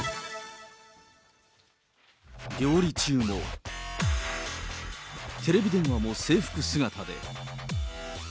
料理中も、テレビ電話も制服姿で。